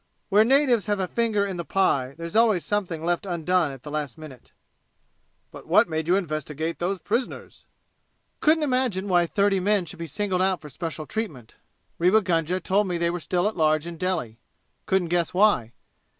Where natives have a finger in the pie there's always something left undone at the last minute." "But what made you investigate those prisoners?" "Couldn't imagine why thirty men should be singled out for special treatment. Rewa Gunga told me they were still at large in Delhi. Couldn't guess why.